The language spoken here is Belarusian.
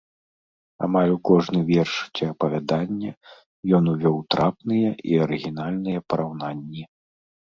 Амаль у кожны верш ці апавяданне ён увёў трапныя і арыгінальныя параўнанні.